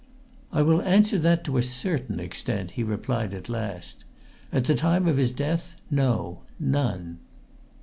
"I will answer that to a certain extent," he replied at last. "At the time of his death, no! None!"